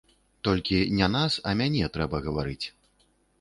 Толькі не нас, а мяне, трэба гаварыць.